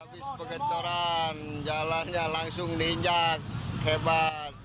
habis pengecoran jalannya langsung diinjak hebat